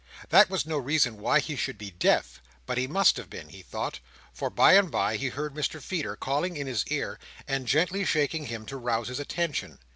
That was no reason why he should be deaf; but he must have been, he thought, for, by and by, he heard Mr Feeder calling in his ear, and gently shaking him to rouse his attention.